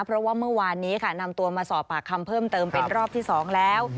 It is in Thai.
เพราะว่าเมื่อวานนี้ค่ะนำตัวมาสอบปากคำเพิ่มเติมเป็นรอบที่๒แล้ว